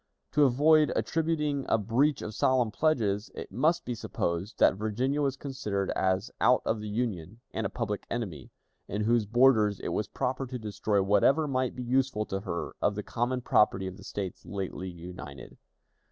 To avoid attributing a breach of solemn pledges, it must be supposed that Virginia was considered as out of the Union, and a public enemy, in whose borders it was proper to destroy whatever might be useful to her of the common property of the States lately united.